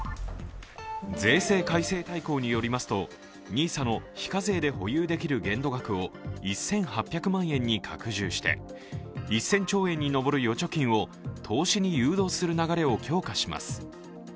税制改正大綱によりますとＮＩＳＡの非課税で保有できる限度額を１８００万円に拡充して１０００兆円に上る預貯金を投資に誘導する流れを強化します。